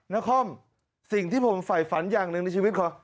นครสิ่งที่ผมฝ่ายฝันอย่างหนึ่งในชีวิตของ